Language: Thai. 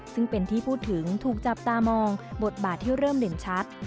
ซึ่งเป็นที่พูดถึงถูกจับตามองบทบาทที่เริ่มเด่นชัด